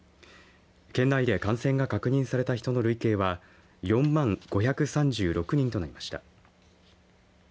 県内で感染が確認された人の累計は４万５３６人となりました。